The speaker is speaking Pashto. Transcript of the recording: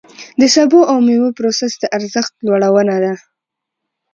د سبو او مېوو پروسس د ارزښت لوړونه ده.